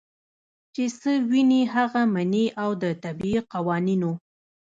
چې څۀ ويني هغه مني او د طبعي قوانینو